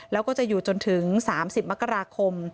แล้วก็จะอยู่จนถึง๓๐มกราคม